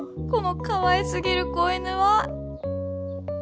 このかわいすぎる子犬は